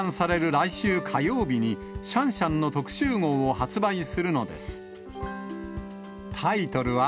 来週火曜日に、シャンシャンの特集号を発売するのです。